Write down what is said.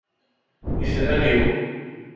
Itran-iw!